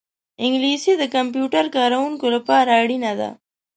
انګلیسي د کمپیوټر کاروونکو لپاره اړینه ده